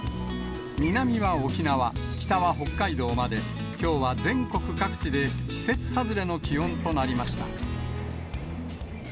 南は沖縄、北は北海道まで、きょうは全国各地で季節外れの気温となりました。